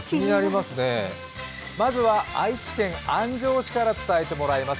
まずは、愛知県安城市から伝えてもらいます。